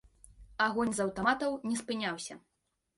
Агонь з аўтаматаў не спыняўся.